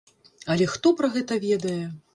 Але хто пра гэта ведае?